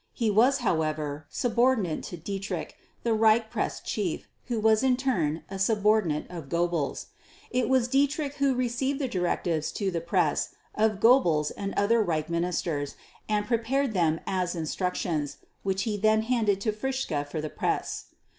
He was, however, subordinate to Dietrich, the Reich Press Chief, who was in turn a subordinate of Goebbels. It was Dietrich who received the directives to the press of Goebbels and other Reich Ministers, and prepared them as instructions, which he then handed to Fritzsche for the press.